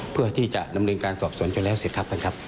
เพื่อที่จะดำเนินการสอบสวนจนแล้วเสร็จครับท่านครับ